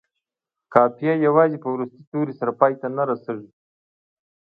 قافیه یوازې په وروستي توري سره پای ته نه رسيږي.